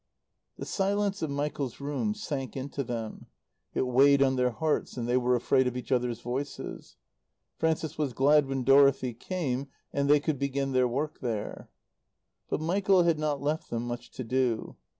The silence of Michael's room sank into them, it weighed on their hearts and they were afraid of each other's voices. Frances was glad when Dorothy came and they could begin their work there. But Michael had not left them much to do.